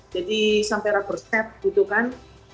jadi sampai rapor set gitu kan